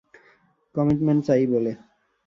Commitment চাই বলে।